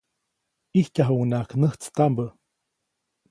ʼIjtyajuʼuŋnaʼak näjtstaʼmbä.